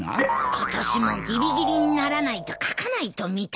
今年もぎりぎりにならないと書かないと見た。